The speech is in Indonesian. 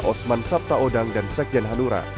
osman sabtaodang dan sekjen hanura